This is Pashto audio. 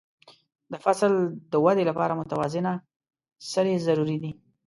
د فصل د وده لپاره متوازنه سرې ضروري دي.